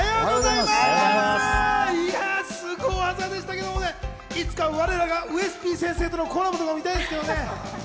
いや、スゴ技でしたけれども、いつか我らがウエスＰ先生とのコラボもみたいですけどね。